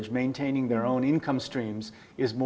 mempertahankan stream pendapatan mereka